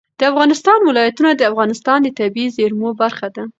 د افغانستان ولايتونه د افغانستان د طبیعي زیرمو برخه ده.